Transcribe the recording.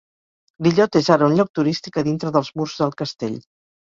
L'illot és ara un lloc turístic a dintre dels murs del castell.